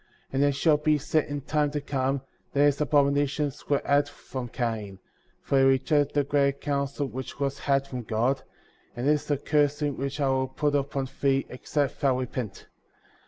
*' 25. And it shall be said in time to come — That these abominations were had from Cain; for he rejected the greater counsel which was had from God; and this is a cursing*^ which I will put upon thee, except thou repent.